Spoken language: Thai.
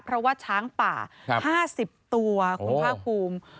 เพราะว่าช้างป่า๕๐ตัวคุณพระคุม